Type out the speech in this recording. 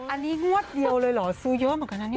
อันนี้งวดเดียวเลยเหรอซื้อเยอะเหมือนกันนะเนี่ย